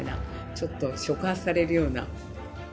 ちょっと触発されるような。